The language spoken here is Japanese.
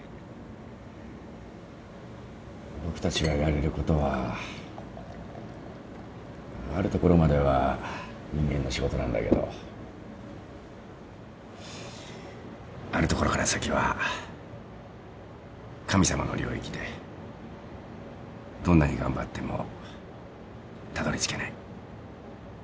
僕たちがやれることはあるところまでは人間の仕事なんだけどあるところから先は神様の領域でどんなに頑張ってもたどりつけない。